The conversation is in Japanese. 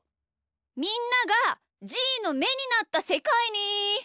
みんながじーのめになったせかいに。